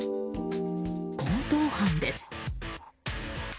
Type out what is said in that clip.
強盗犯です。